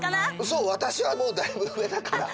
そうわたしはもうだいぶうえだから。